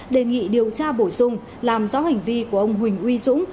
đề nghị điều tra bổ sung làm rõ hành vi của ông huỳnh uy dũng